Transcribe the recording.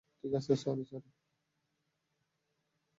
ঠিক আছে, sorry, sorry.